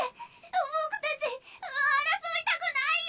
ボクたち争いたくないよ。